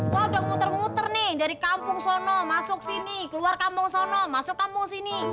gua udah nguter nguter nih dari kampung sono masuk sini keluar kampung sono masuk kampung sini